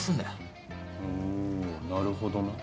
おおなるほどな。